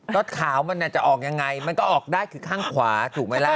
รถขาวมันจะออกยังไงมันก็ออกได้คือข้างขวาถูกไหมล่ะ